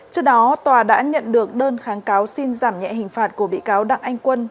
trước đó tòa đã nhận được đơn kháng cáo xin giảm nhẹ hình phạt của bị cáo đặng anh quân